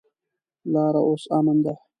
لاره اوس امن ده.